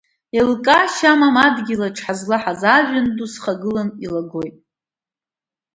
Еилкаашьа амам адгьылаҿ ҳазлаҳаз, ажәҩан ду схагылан илагоит.